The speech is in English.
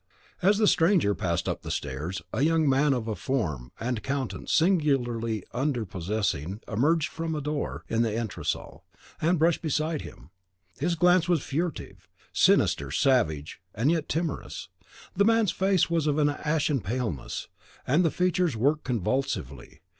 As the stranger passed up the stairs, a young man of a form and countenance singularly unprepossessing emerged from a door in the entresol, and brushed beside him. His glance was furtive, sinister, savage, and yet timorous; the man's face was of an ashen paleness, and the features worked convulsively.